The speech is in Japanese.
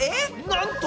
なんと！